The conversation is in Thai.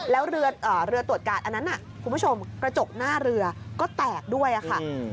แล้วเรือตรวจการอันนั้นคุณผู้ชมกระจกหน้าเรือก็แตกด้วยค่ะ